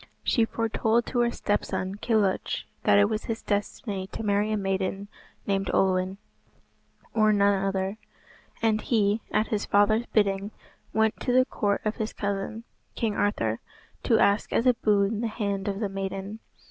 She foretold to her stepson, Kilhuch, that it was his destiny to marry a maiden named Olwen, or none other, and he, at his father's bidding, went to the court of his cousin, King Arthur, to ask as a boon the hand of the maiden.